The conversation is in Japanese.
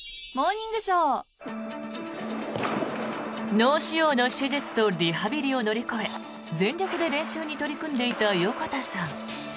脳腫瘍の手術とリハビリを乗り越え全力で練習に取り組んでいた横田さん。